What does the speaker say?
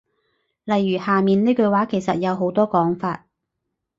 例如下面呢句話其實有好多講法